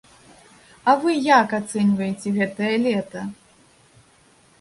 А вы як ацэньваеце гэтае лета?